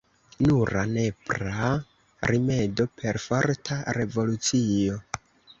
Nura nepra rimedo: perforta revolucio.